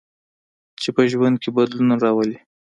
چې په ژوند کې بدلون راولي.